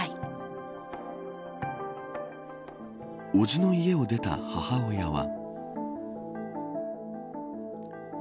伯父の家を出た母親は。